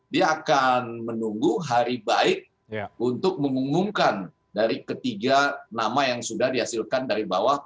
dia akan menunggu hari baik untuk mengumumkan dari ketiga nama yang sudah dihasilkan dari bawah